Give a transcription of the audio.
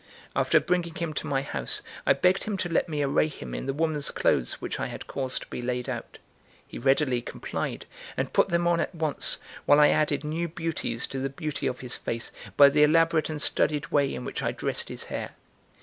After bringing him to my house, I begged him to let me array him in the woman's clothes which I had caused to be laid out. He readily complied, and put them on at once, while I added new beauties to the beauty of his face by the elaborate and studied way in which I dressed his hair.